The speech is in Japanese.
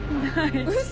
嘘！